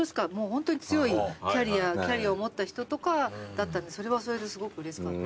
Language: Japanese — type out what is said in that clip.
ホントに強いキャリアを持った人とかだったんでそれはそれですごくうれしかった。